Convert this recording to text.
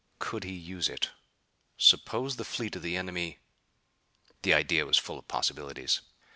Could he use it? Suppose the fleet of the enemy The idea was full of possibilities.